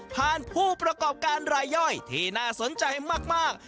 ผู้ประกอบการรายย่อยที่น่าสนใจมาก